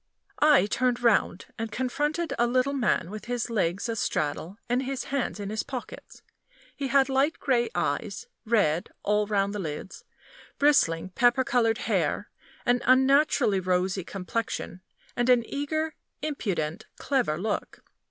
I turned round, and confronted a little man with his legs astraddle, and his hands in his pockets. He had light gray eyes, red all round the lids, bristling pepper colored hair, an unnaturally rosy complexion, and an eager, impudent, clever look.